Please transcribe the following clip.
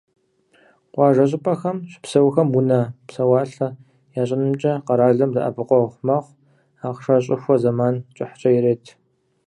Къуажэ щӀыпӀэхэм щыпсэухэм унэ, псэуалъэ ящӀынымкӀэ къэралыр дэӀэпыкъуэгъу мэхъу: ахъшэ щӀыхуэ зэман кӀыхькӀэ ярет.